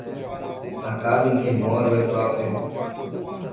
A casa em que moro é própria.